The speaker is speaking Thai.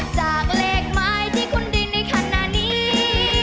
จากเลขหมายที่คุณดินในขณะนี้